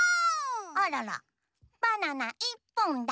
あららバナナいっぽんだ。